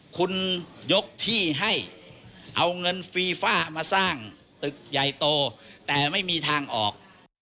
คุณยกที่ให้เอาเงินฟีฟ่ามาสร้างตึกใหญ่โตแต่ไม่มีทางออก